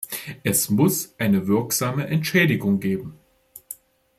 Es muss eine wirksame Entschädigung geben.